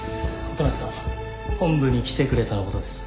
音無さん本部に来てくれとのことです。